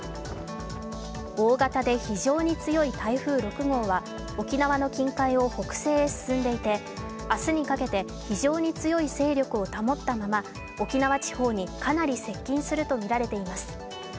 大型で非常に強い台風６号は沖縄の近海を北西へ進んでいて明日にかけて非常につよい勢力を保ったまま沖縄地方にかなり接近するとみられています。